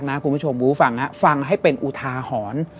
คุณผู้ชมบูฟังฮะฟังให้เป็นอุทาหรณ์